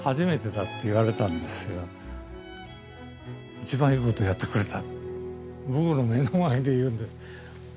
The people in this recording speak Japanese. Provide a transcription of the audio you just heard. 「一番いいことやってくれた」。